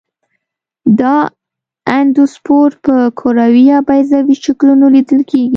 دا اندوسپور په کروي یا بیضوي شکلونو لیدل کیږي.